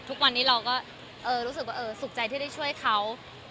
ทุกวันนี้เราก็รู้สึกว่าสุขใจที่ได้ช่วยเขา